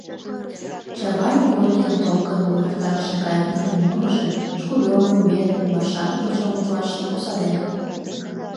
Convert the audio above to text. Чавайн Горькийын «Толкыным увертарыше кайык нерген мурыжым», Шкулевын, Бедныйын, Маршакын почеламутлаштым кусарен.